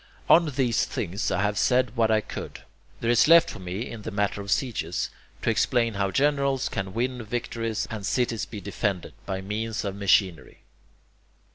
On these things I have said what I could. There is left for me, in the matter of sieges, to explain how generals can win victories and cities be defended, by means of machinery.